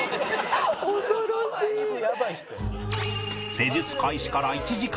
施術開始から１時間